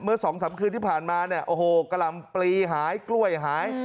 สองสามคืนที่ผ่านมาเนี่ยโอ้โหกะหล่ำปลีหายกล้วยหาย